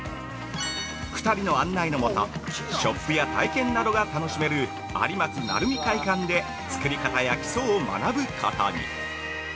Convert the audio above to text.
２人の案内のもとショップや体験などが楽しめる有松・鳴海会館で作り方や基礎を学ぶことに！